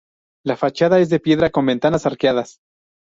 La fachada es de piedra, con ventanas arqueadas.